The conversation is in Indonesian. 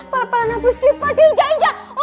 pala pala nabus nabus di hijau hijau